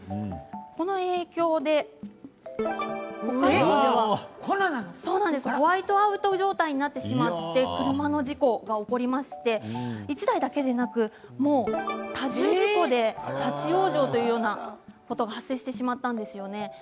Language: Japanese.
この影響で北海道ではホワイトアウト状態になってしまって車の事故が起こりまして１台だけでなく多重事故で立往生というようなことが発生してしまったんですよね。